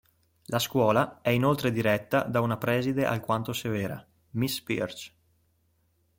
La scuola è inoltre diretta da una preside alquanto severa: Miss Pearce.